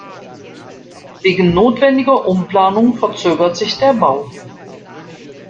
Wegen notwendiger Umplanung verzögert sich der Bau.